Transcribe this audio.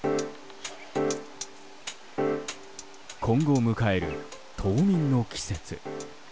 今後、迎える冬眠の季節。